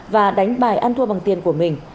và đánh bài ăn thua bằng tiền của mình